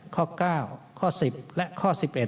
ข้อ๙ข้อ๑๐และข้อ๑๑